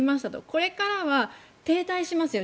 これからは停滞しますよ